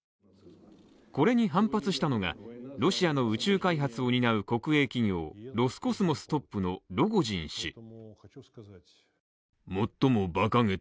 これに反発したのが、ロシアの宇宙開発を担う国営企業、ロスコスモストップのロゴジン氏。